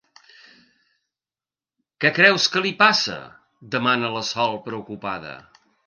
Què creus que li passa? —demana la Sol, preocupada.